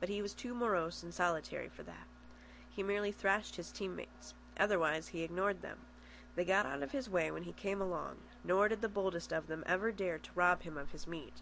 But he was too morose and solitary for that. He merely thrashed his team mates. Otherwise he ignored them. They got out of his way when he came along; nor did the boldest of them ever dare to rob him of his meat.